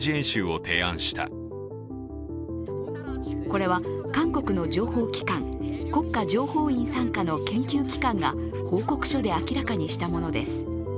これは韓国の情報機関国家情報院傘下の研究機関が報告書で明らかにしたものです。